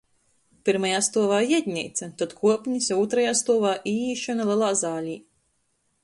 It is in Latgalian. Pyrmajā stuovā iedneica, tod kuopnis, a ūtrymā stuovā īīšona lelā zālē.